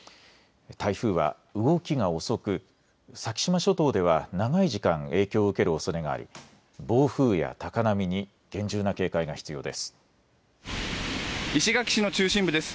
台風は動きが遅く、先島諸島では長い時間影響を受けるおそれがあり暴風や高波に厳重な警戒が必要です。